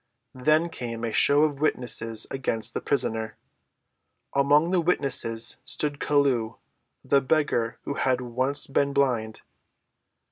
Then came a show of witnesses against the prisoner. Among the witnesses stood Chelluh, the beggar who had once been blind.